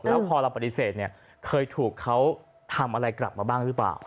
แล้วพอเราปฏิเสธเนี่ยเคยถูกเขาทำอะไรกลับมาบ้างหรือเปล่า